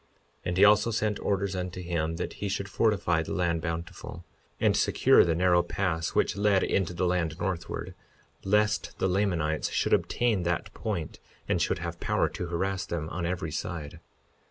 52:9 And he also sent orders unto him that he should fortify the land Bountiful, and secure the narrow pass which led into the land northward, lest the Lamanites should obtain that point and should have power to harass them on every side.